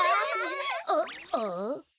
おっああ？